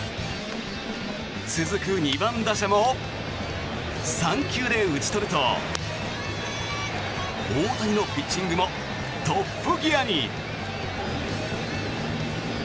続く２番打者も３球で打ち取ると大谷のピッチングもトップギアに。